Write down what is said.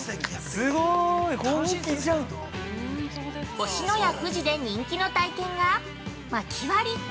◆星のや富士で人気の体験がまき割り。